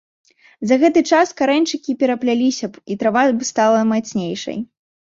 За гэты час карэньчыкі перапляліся б, і трава бы стала мацнейшай.